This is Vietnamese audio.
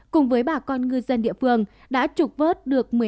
cùng với bà con ngư dân địa phương đã trục vớt được